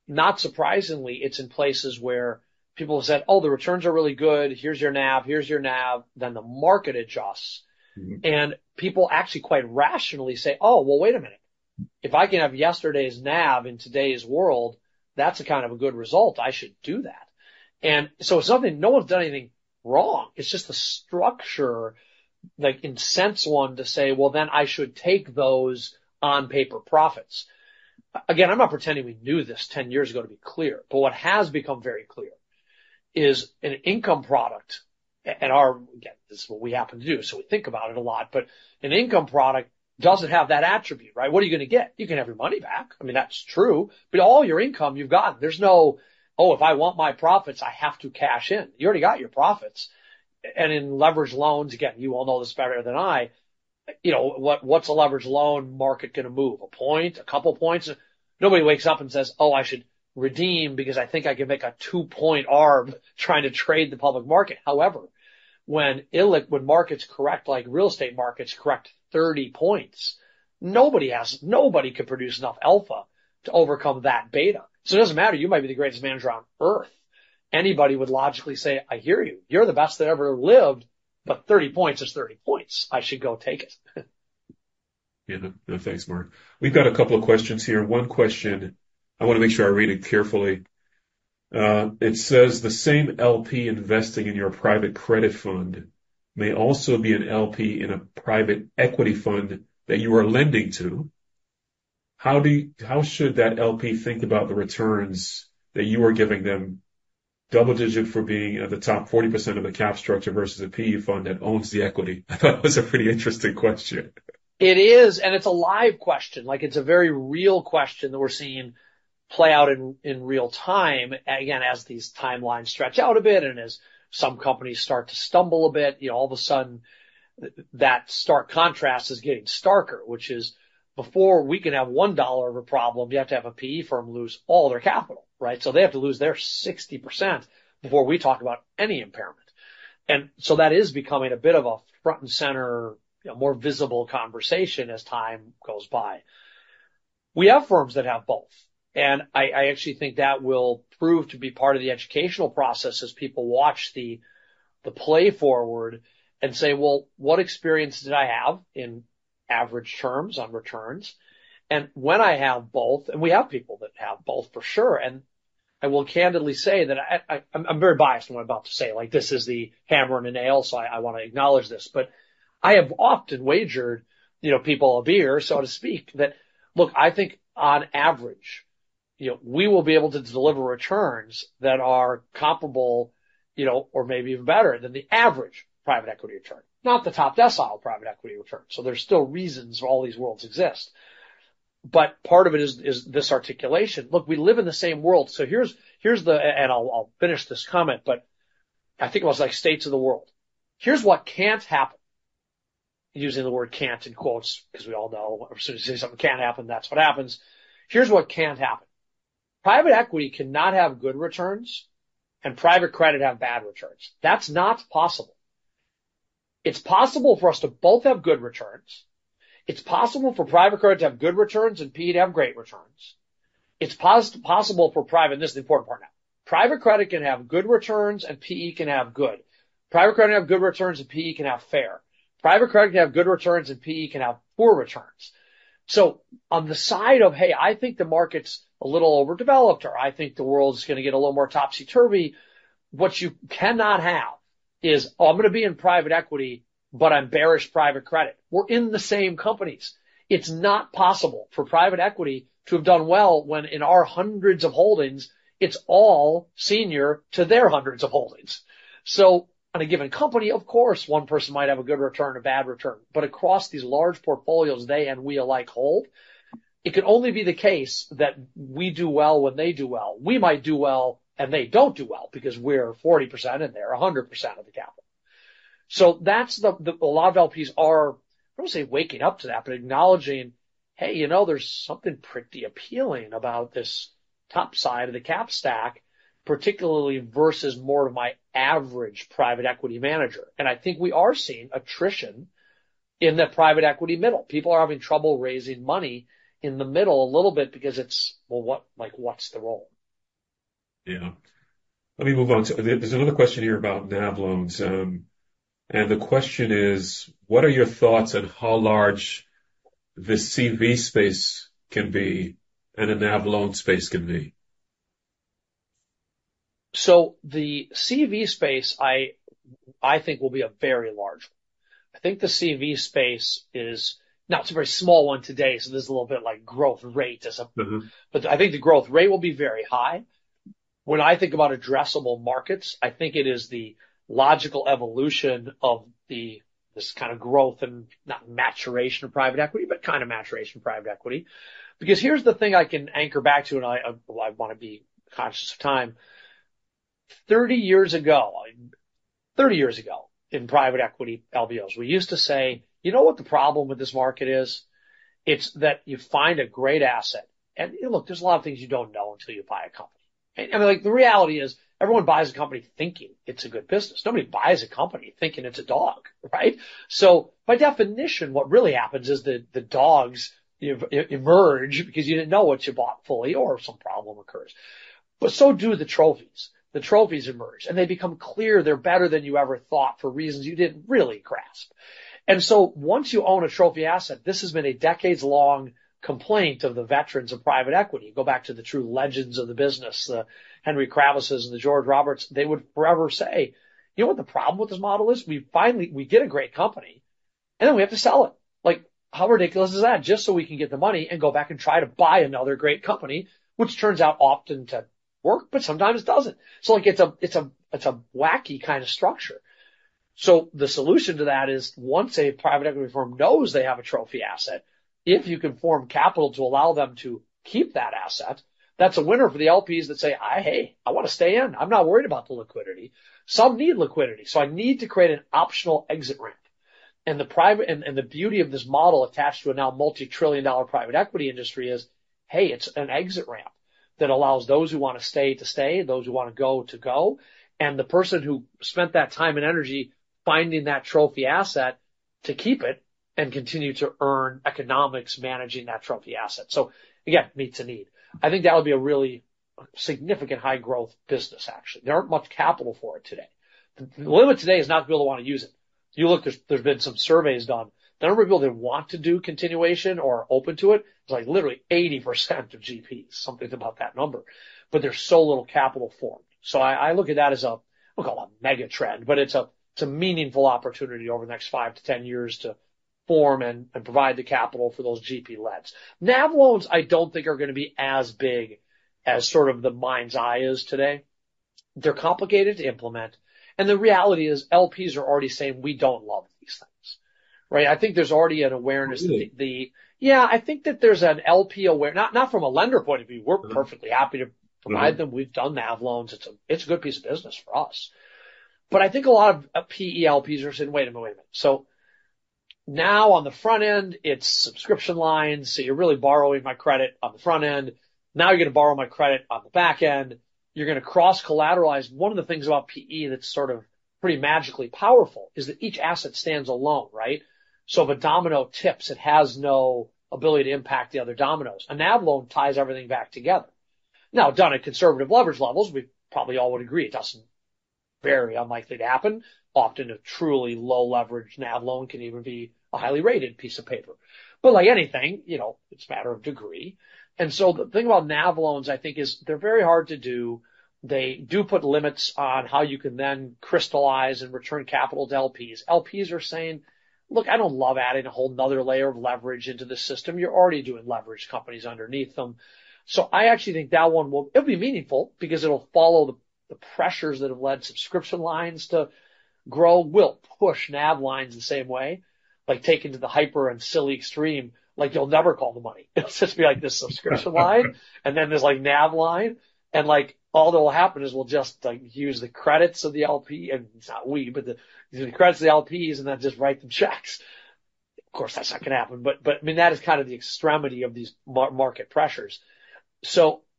not surprisingly, it's in places where people have said, "Oh, the returns are really good. Here's your NAV. Here's your NAV." The market adjusts. People actually quite rationally say, "Oh, wait a minute. If I can have yesterday's NAV in today's world, that's a kind of a good result. I should do that." It is something no one's done anything wrong. It's just the structure incensed one to say, "Well, then I should take those on-paper profits." Again, I'm not pretending we knew this 10 years ago to be clear, but what has become very clear is an income product at our—again, this is what we happen to do, so we think about it a lot—but an income product doesn't have that attribute, right? What are you going to get? You can have your money back. I mean, that's true. All your income you've gotten. There's no, "Oh, if I want my profits, I have to cash in." You already got your profits. In leverage loans, again, you all know this better than I, what's a leverage loan market going to move? A point, a couple of points? Nobody wakes up and says, "Oh, I should redeem because I think I can make a two-point arb trying to trade the public market." However, when markets correct, like real estate markets correct 30 points, nobody can produce enough alpha to overcome that beta. So it does not matter. You might be the greatest manager on earth. Anybody would logically say, "I hear you. You're the best that ever lived, but 30 points is 30 points. I should go take it. Yeah. No thanks, Marc. We've got a couple of questions here. One question, I want to make sure I read it carefully. It says, "The same LP investing in your private credit fund may also be an LP in a private equity fund that you are lending to. How should that LP think about the returns that you are giving them double-digit for being at the top 40% of the cap structure versus a PE fund that owns the equity?" I thought that was a pretty interesting question. It is. It is a live question. It is a very real question that we are seeing play out in real time. Again, as these timelines stretch out a bit and as some companies start to stumble a bit, all of a sudden, that stark contrast is getting starker, which is before we can have $1 of a problem, you have to have a PE firm lose all their capital, right? They have to lose their 60% before we talk about any impairment. That is becoming a bit of a front and center, more visible conversation as time goes by. We have firms that have both. I actually think that will prove to be part of the educational process as people watch the play forward and say, "Well, what experience did I have in average terms on returns?" When I have both, and we have people that have both for sure. I will candidly say that I'm very biased in what I'm about to say. This is the hammer and the nail, so I want to acknowledge this. I have often wagered people a beer, so to speak, that, "Look, I think on average, we will be able to deliver returns that are comparable or maybe even better than the average private equity return." Not the top decile private equity return. There are still reasons for all these worlds to exist. Part of it is this articulation. Look, we live in the same world. Here's the—and I'll finish this comment, but I think it was like states of the world. Here's what can't happen. Using the word can't in quotes, because we all know as soon as you say something can't happen, that's what happens. Here's what can't happen. Private equity cannot have good returns and private credit have bad returns. That's not possible. It's possible for us to both have good returns. It's possible for private credit to have good returns and PE to have great returns. It's possible for private—and this is the important part now. Private credit can have good returns and PE can have good. Private credit can have good returns and PE can have fair. Private credit can have good returns and PE can have poor returns. On the side of, "Hey, I think the market's a little overdeveloped," or, "I think the world is going to get a little more topsy-turvy," what you cannot have is, "Oh, I'm going to be in private equity, but I'm bearish private credit." We're in the same companies. It's not possible for private equity to have done well when in our hundreds of holdings, it's all senior to their hundreds of holdings. On a given company, of course, one person might have a good return or bad return. Across these large portfolios they and we alike hold, it can only be the case that we do well when they do well. We might do well and they don't do well because we're 40% and they're 100% of the capital. That's the, a lot of LPs are, I don't want to say waking up to that, but acknowledging, "Hey, there's something pretty appealing about this top side of the cap stack, particularly versus more of my average private equity manager." I think we are seeing attrition in the private equity middle. People are having trouble raising money in the middle a little bit because it's, "Well, what's the role? Yeah. Let me move on to—there's another question here about NAV loans. The question is, what are your thoughts on how large the CV space can be and the NAV loan space can be? The CV space, I think, will be a very large one. I think the CV space is not—it's a very small one today, so there's a little bit like growth rate as a—but I think the growth rate will be very high. When I think about addressable markets, I think it is the logical evolution of this kind of growth and not maturation of private equity, but kind of maturation of private equity. Because here's the thing I can anchor back to, and I want to be conscious of time. Thirty years ago, thirty years ago in private equity LBOs, we used to say, "You know what the problem with this market is? It's that you find a great asset." And look, there's a lot of things you don't know until you buy a company. And the reality is everyone buys a company thinking it's a good business. Nobody buys a company thinking it's a dog, right? By definition, what really happens is the dogs emerge because you didn't know what you bought fully or some problem occurs. The trophies emerge, and they become clear they're better than you ever thought for reasons you didn't really grasp. Once you own a trophy asset, this has been a decades-long complaint of the veterans of private equity. Go back to the true legends of the business, the Henry Kravis's and the George Roberts. They would forever say, "You know what the problem with this model is? We get a great company, and then we have to sell it." How ridiculous is that? Just so we can get the money and go back and try to buy another great company, which turns out often to work, but sometimes it doesn't. It is a wacky kind of structure. The solution to that is once a private equity firm knows they have a trophy asset, if you can form capital to allow them to keep that asset, that is a winner for the LPs that say, "Hey, I want to stay in. I am not worried about the liquidity. Some need liquidity. So I need to create an optional exit ramp." The beauty of this model attached to a now multi-trillion-dollar private equity industry is, "Hey, it is an exit ramp that allows those who want to stay to stay, those who want to go to go, and the person who spent that time and energy finding that trophy asset to keep it and continue to earn economics managing that trophy asset." Again, meets a need. I think that would be a really significant high-growth business, actually. There is not much capital for it today. The limit today is not people who want to use it. You look, there have been some surveys done. The number of people that want to do continuation or are open to it is like literally 80% of GPs, something about that number. There is so little capital formed. I look at that as a—I do not call it a mega trend, but it is a meaningful opportunity over the next 5-10 years to form and provide the capital for those GP-leds. NAV loans, I do not think, are going to be as big as sort of the mind's eye is today. They are complicated to implement. The reality is LPs are already saying, "We do not love these things." Right? I think there is already an awareness. Indeed. Yeah. I think that there's an LP awareness, not from a lender point of view. We're perfectly happy to provide them. We've done NAV loans. It's a good piece of business for us. I think a lot of PE LPs are saying, "Wait a minute, wait a minute." Now on the front end, it's subscription line. You're really borrowing my credit on the front end. Now you're going to borrow my credit on the back end. You're going to cross-collateralize. One of the things about PE that's sort of pretty magically powerful is that each asset stands alone, right? If a domino tips, it has no ability to impact the other dominoes. A NAV loan ties everything back together. Now, done at conservative leverage levels, we probably all would agree it doesn't very unlikely to happen. Often, a truly low-leverage NAV loan can even be a highly rated piece of paper. Like anything, it's a matter of degree. The thing about NAV loans, I think, is they're very hard to do. They do put limits on how you can then crystallize and return capital to LPs. LPs are saying, "Look, I don't love adding a whole nother layer of leverage into the system. You're already doing leverage companies underneath them." I actually think that one will—it'll be meaningful because it'll follow the pressures that have led subscription lines to grow. We'll push NAV lines the same way, like taken to the hyper and silly extreme. You'll never call the money. It'll just be like this subscription line, and then there's like NAV line. All that will happen is we'll just use the credits of the LP—and it's not we, but the credits of the LPs, and then just write them checks. Of course, that's not going to happen. I mean, that is kind of the extremity of these market pressures.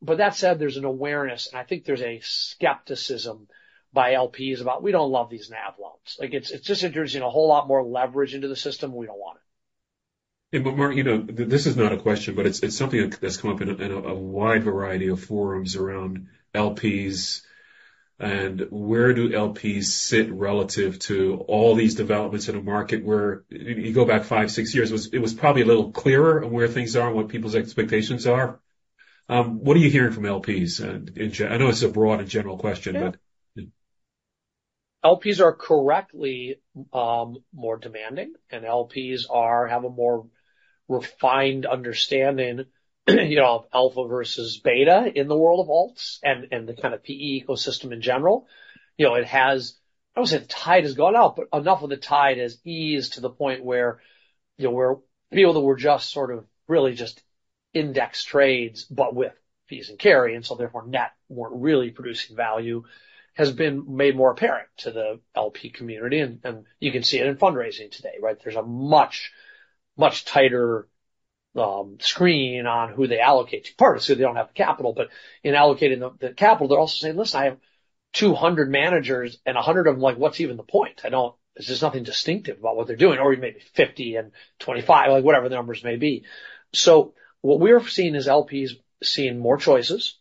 That said, there's an awareness, and I think there's a skepticism by LPs about, "We don't love these NAV loans." It just enters in a whole lot more leverage into the system. We don't want it. Marc, this is not a question, but it's something that's come up in a wide variety of forums around LPs. Where do LPs sit relative to all these developments in a market where you go back five, six years, it was probably a little clearer on where things are and what people's expectations are? What are you hearing from LPs in general? I know it's a broad and general question, but. LPs are correctly more demanding, and LPs have a more refined understanding of alpha versus beta in the world of alts and the kind of PE ecosystem in general. It has—I do not want to say the tide has gone out, but enough of the tide has eased to the point where people that were just sort of really just index trades, but with fees and carry, and so therefore net were not really producing value, has been made more apparent to the LP community. You can see it in fundraising today, right? There is a much tighter screen on who they allocate to. Part is who they do not have the capital, but in allocating the capital, they are also saying, "Listen, I have 200 managers, and 100 of them, what is even the point? There is just nothing distinctive about what they are doing," or even maybe 50 and 25, whatever the numbers may be. What we're seeing is LPs seeing more choices.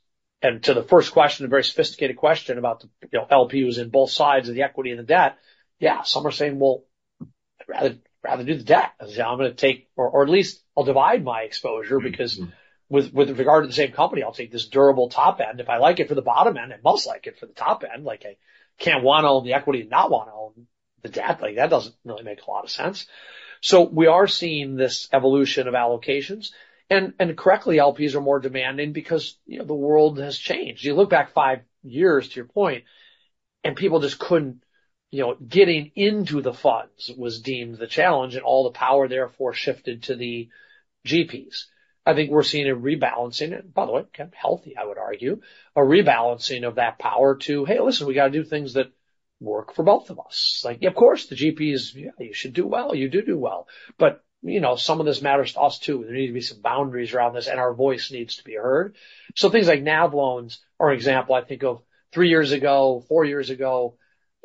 To the first question, a very sophisticated question about the LPs in both sides of the equity and the debt, yeah, some are saying, "Well, I'd rather do the debt. I'm going to take—or at least I'll divide my exposure because with regard to the same company, I'll take this durable top end. If I like it for the bottom end, I must like it for the top end. I can't want to own the equity and not want to own the debt. That doesn't really make a lot of sense." We are seeing this evolution of allocations. Correctly, LPs are more demanding because the world has changed. You look back five years to your point, and people just couldn't—getting into the funds was deemed the challenge, and all the power therefore shifted to the GPs. I think we're seeing a rebalancing, and by the way, kind of healthy, I would argue, a rebalancing of that power to, "Hey, listen, we got to do things that work for both of us." It's like, "Yeah, of course, the GPs, yeah, you should do well. You do do well." But some of this matters to us too. There need to be some boundaries around this, and our voice needs to be heard. Things like NAV loans are an example I think of three years ago, four years ago.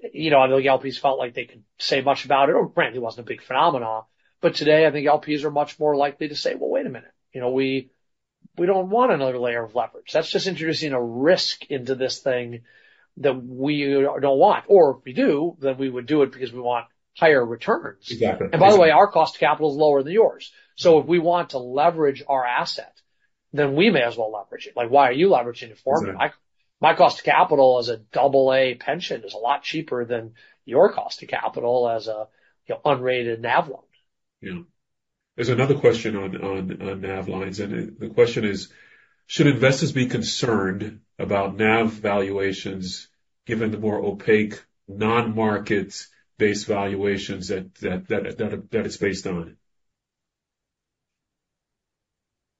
I think LPs felt like they could not say much about it. Granted, it was not a big phenomenon. Today, I think LPs are much more likely to say, "Wait a minute. We do not want another layer of leverage. That is just introducing a risk into this thing that we do not want. Or if we do, then we would do it because we want higher returns. Exactly. By the way, our cost of capital is lower than yours. If we want to leverage our asset, then we may as well leverage it. Why are you leveraging it for me? My cost of capital as a double-A pension is a lot cheaper than your cost of capital as an unrated NAV loan. Yeah. There's another question on NAV lines, and the question is, should investors be concerned about NAV valuations given the more opaque, non-market-based valuations that it's based on?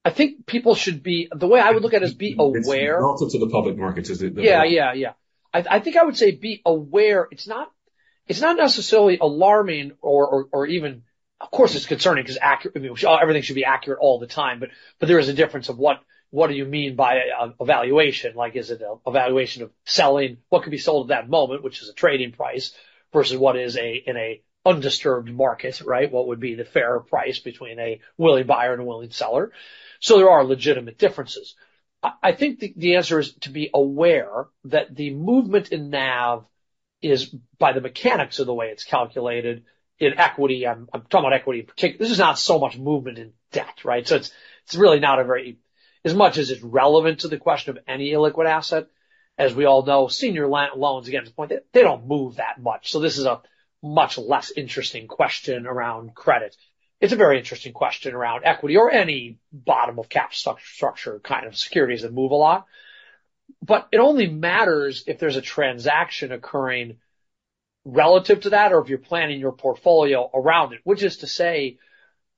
I think people should be—the way I would look at it is be aware. Relative to the public markets, is it? Yeah, yeah, yeah. I think I would say be aware. It's not necessarily alarming or even—of course, it's concerning because everything should be accurate all the time, but there is a difference of what do you mean by a valuation. Is it a valuation of selling what could be sold at that moment, which is a trading price, versus what is in an undisturbed market, right? What would be the fair price between a willing buyer and a willing seller? There are legitimate differences. I think the answer is to be aware that the movement in NAV is by the mechanics of the way it's calculated in equity. I'm talking about equity in particular. This is not so much movement in debt, right? It's really not as much as it's relevant to the question of any illiquid asset. As we all know, senior loans, again, to the point, they do not move that much. This is a much less interesting question around credit. It is a very interesting question around equity or any bottom-of-cap structure kind of securities that move a lot. It only matters if there is a transaction occurring relative to that or if you are planning your portfolio around it, which is to say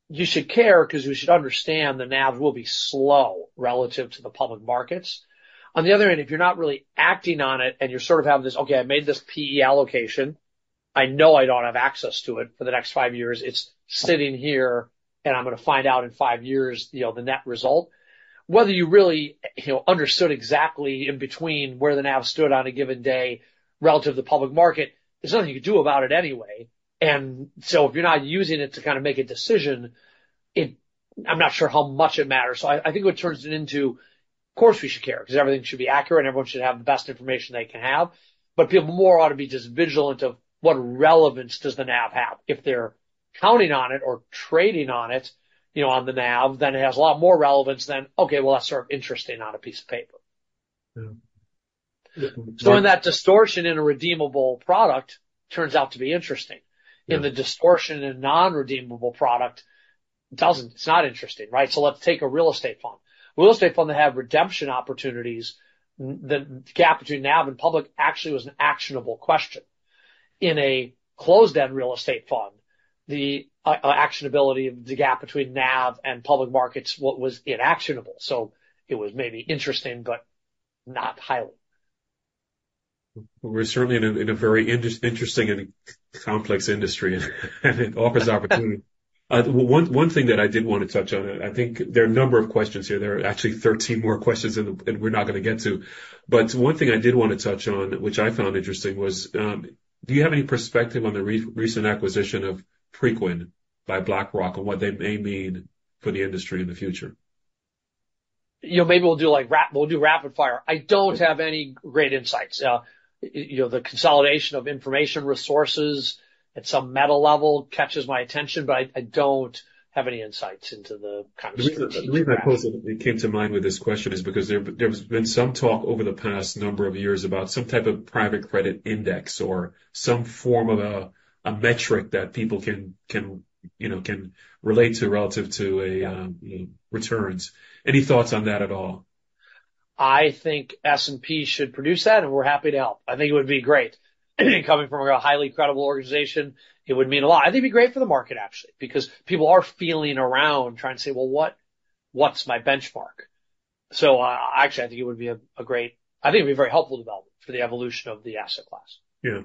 you should care because you should understand the NAV will be slow relative to the public markets. On the other hand, if you are not really acting on it and you are sort of having this, "Okay, I made this PE allocation. I know I do not have access to it for the next five years. It's sitting here, and I'm going to find out in five years the net result. Whether you really understood exactly in between where the NAV stood on a given day relative to the public market, there's nothing you can do about it anyway. If you're not using it to kind of make a decision, I'm not sure how much it matters. I think it turns it into, of course, we should care because everything should be accurate, and everyone should have the best information they can have. People more ought to be just vigilant of what relevance does the NAV have. If they're counting on it or trading on it, on the NAV, then it has a lot more relevance than, "Okay, that's sort of interesting on a piece of paper. Yeah. In that distortion in a redeemable product turns out to be interesting. In the distortion in a non-redeemable product, it's not interesting, right? Let's take a real estate fund. Real estate funds that have redemption opportunities, the gap between NAV and public actually was an actionable question. In a closed-end real estate fund, the actionability of the gap between NAV and public markets was inactionable. It was maybe interesting, but not highly. We're certainly in a very interesting and complex industry, and it offers opportunity. One thing that I did want to touch on, I think there are a number of questions here. There are actually 13 more questions, and we're not going to get to. One thing I did want to touch on, which I found interesting, was do you have any perspective on the recent acquisition of Preqin by BlackRock and what they may mean for the industry in the future? Maybe we'll do rapid fire. I don't have any great insights. The consolidation of information resources at some meta level catches my attention, but I don't have any insights into the kind of situation. The reason I posed it came to mind with this question is because there's been some talk over the past number of years about some type of private credit index or some form of a metric that people can relate to relative to returns. Any thoughts on that at all? I think S&P should produce that, and we're happy to help. I think it would be great. Coming from a highly credible organization, it would mean a lot. I think it'd be great for the market, actually, because people are feeling around trying to say, "Well, what's my benchmark?" I think it would be very helpful to develop for the evolution of the asset class. Yeah.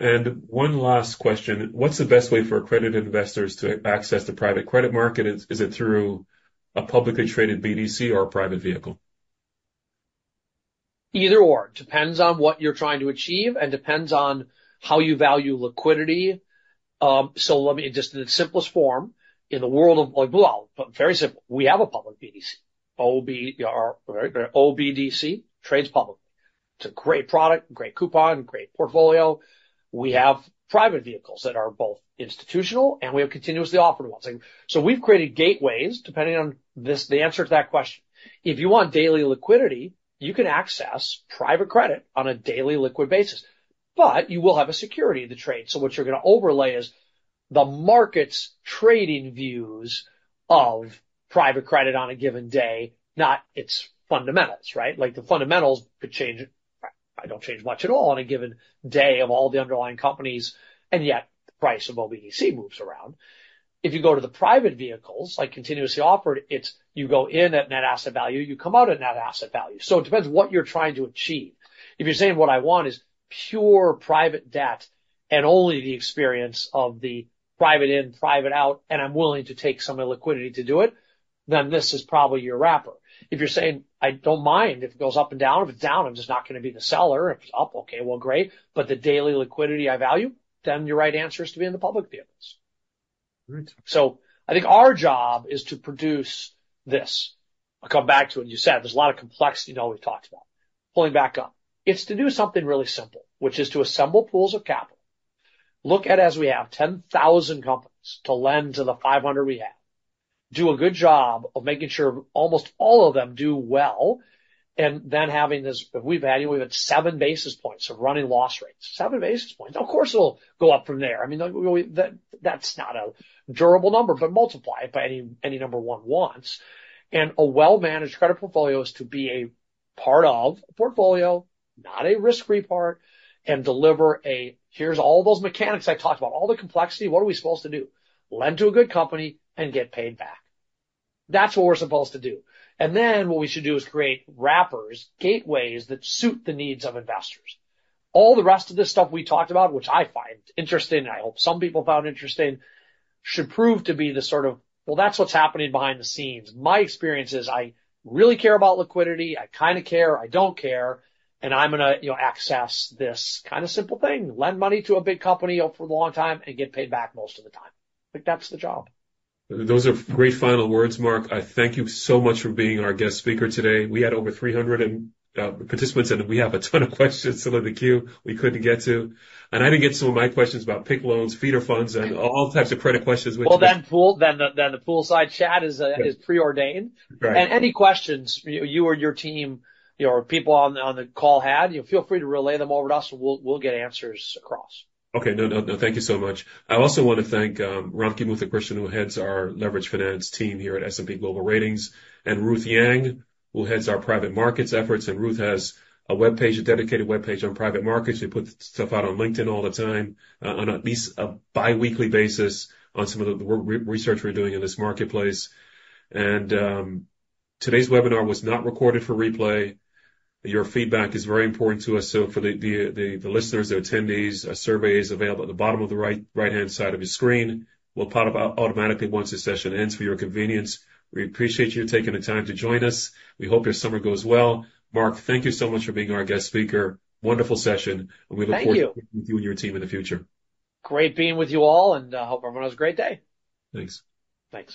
And one last question. What's the best way for accredited investors to access the private credit market? Is it through a publicly traded BDC or a private vehicle? Either/or. Depends on what you're trying to achieve and depends on how you value liquidity. Just in its simplest form, in the world of—very simple. We have a public BDC, OBDC, trades publicly. It's a great product, great coupon, great portfolio. We have private vehicles that are both institutional, and we have continuously offered ones. We've created gateways depending on the answer to that question. If you want daily liquidity, you can access private credit on a daily liquid basis. You will have a security to trade. What you're going to overlay is the market's trading views of private credit on a given day, not its fundamentals, right? The fundamentals could change—I don't change much at all on a given day of all the underlying companies, and yet the price of OBDC moves around. If you go to the private vehicles, like continuously offered, you go in at net asset value, you come out at net asset value. It depends what you're trying to achieve. If you're saying, "What I want is pure private debt and only the experience of the private in, private out, and I'm willing to take some of the liquidity to do it," this is probably your wrapper. If you're saying, "I don't mind if it goes up and down. If it's down, I'm just not going to be the seller. If it's up, okay, great. The daily liquidity I value," your right answer is to be in the public vehicles. Right. I think our job is to produce this. I'll come back to it. You said there's a lot of complexity in all we've talked about. Pulling back up. It's to do something really simple, which is to assemble pools of capital, look at as we have 10,000 companies to lend to the 500 we have, do a good job of making sure almost all of them do well, and then having this—if we've had, we've had seven basis points of running loss rates. Seven basis points. Of course, it'll go up from there. I mean, that's not a durable number, but multiply it by any number one wants. And a well-managed credit portfolio is to be a part of a portfolio, not a risk-free part, and deliver a—here's all those mechanics I talked about, all the complexity, what are we supposed to do? Lend to a good company and get paid back. That is what we are supposed to do. What we should do is create wrappers, gateways that suit the needs of investors. All the rest of this stuff we talked about, which I find interesting, and I hope some people found interesting, should prove to be the sort of, "Well, that is what is happening behind the scenes." My experience is I really care about liquidity. I kind of care. I do not care. I am going to access this kind of simple thing, lend money to a big company for a long time and get paid back most of the time. I think that is the job. Those are great final words, Marc. I thank you so much for being our guest speaker today. We had over 300 participants, and we have a ton of questions still in the queue we could not get to. I did not get some of my questions about PIK loans, feeder funds, and all types of credit questions, which. The poolside chat is preordained. Any questions you or your team or people on the call had, feel free to relay them over to us, and we'll get answers across. Okay. No, no, no. Thank you so much. I also want to thank Ramakrishnan, who heads our leverage finance team here at S&P Global Ratings, and Ruth Yang, who heads our private markets efforts. Ruth has a dedicated webpage on private markets. We put stuff out on LinkedIn all the time on at least a bi-weekly basis on some of the research we are doing in this marketplace. Today's webinar was not recorded for replay. Your feedback is very important to us. For the listeners, the attendees, a survey is available at the bottom of the right-hand side of your screen. We will pop it out automatically once the session ends for your convenience. We appreciate you taking the time to join us. We hope your summer goes well. Marc, thank you so much for being our guest speaker. Wonderful session. We look forward to working with you and your team in the future. Thank you. Great being with you all, and I hope everyone has a great day. Thanks. Thanks.